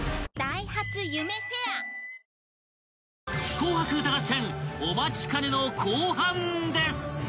［『紅白歌合戦』お待ちかねの後半です！］